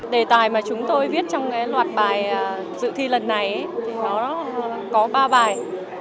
đề tài mà chúng tôi viết trong loạt bài dự thi lần này thì nó có ba bài